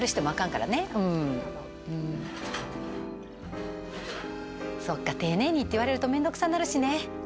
急に曲げてそっか丁寧にって言われると面倒くさなるしね。